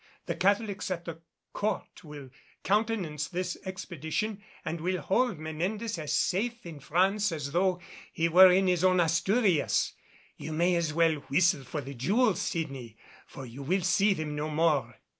The Catholics at the Court will countenance this expedition and will hold Menendez as safe in France as though he were in his own Asturias. You may as well whistle for the jewels, Sydney, for you will see them no more."